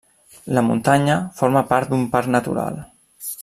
La muntanya forma part d'un parc natural.